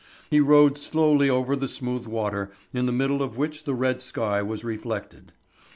He rowed slowly over the smooth water, in the middle of which the red sky was reflected.